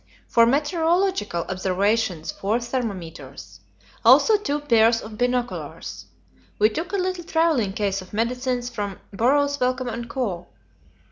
For meteorological observations, four thermometers. Also two pairs of binoculars. We took a little travelling case of medicines from Burroughs Wellcome and Co.